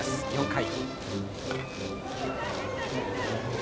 ４回。